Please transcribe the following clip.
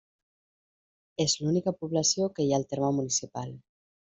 És l'única població que hi ha al terme municipal.